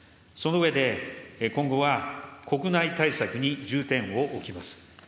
その上で、今後は国内対策に重点を置きます。